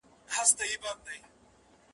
چي یو ږغ کړي د وطن په نامه پورته